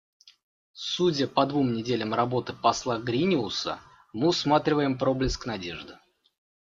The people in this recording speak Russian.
Судя по двум неделям работы посла Гриниуса, мы усматриваем проблеск надежды.